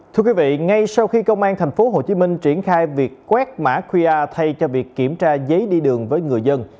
thưa quý vị ngay sau khi công an tp hcm triển khai việc quét mã qr thay cho việc kiểm tra giấy đi đường với người dân